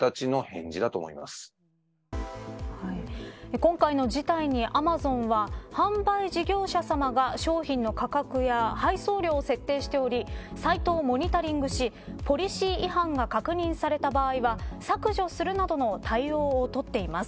今回の事態にアマゾンは販売事業者さまが商品の価格や配送料を設定しておりサイトをモニタリングしポリシー違反が確認された場合は削除するなどの対応を取っています。